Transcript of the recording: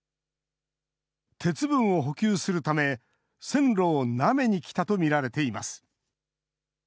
鉄分を補給するため、線路をなめに来たと見られています。